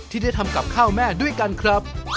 ที่ได้ทำกับข้าวแม่ด้วยกันครับ